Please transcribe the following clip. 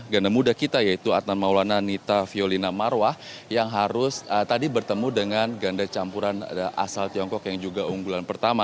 ganda muda kita yaitu adnan maulana nita violina marwah yang harus tadi bertemu dengan ganda campuran asal tiongkok yang juga unggulan pertama